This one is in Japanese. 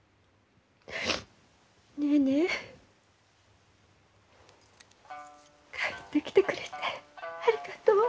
ネーネー帰ってきてくれてありがとう。